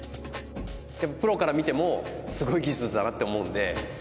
プロから見てもすごい技術だなって思うんで。